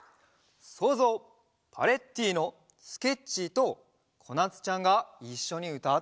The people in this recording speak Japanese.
そうぞうパレッティーノスケッチーとこなつちゃんがいっしょにうたっているところだよ！